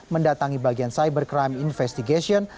mendatangi bagian cybercrime investigation